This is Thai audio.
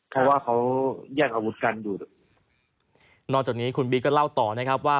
เพราะว่าเขาแยกอาวุธกันอยู่นอกจากนี้คุณบีก็เล่าต่อนะครับว่า